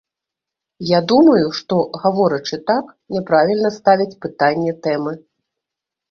Я думаю, што, гаворачы так, няправільна ставяць пытанне тэмы.